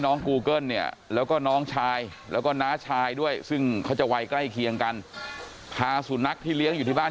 กูเกิ้ลเนี่ยแล้วก็น้องชายแล้วก็น้าชายด้วยซึ่งเขาจะวัยใกล้เคียงกันพาสุนัขที่เลี้ยงอยู่ที่บ้าน